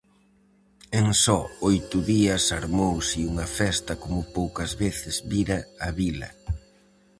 En só oito días armouse unha festa como poucas veces vira a vila.